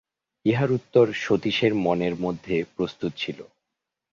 ইহার উত্তর সতীশের মনের মধ্যে প্রস্তুত ছিল।